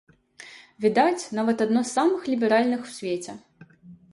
Відаць, нават, адно з самых ліберальных у свеце.